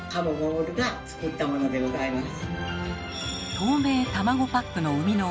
透明卵パックの生みの親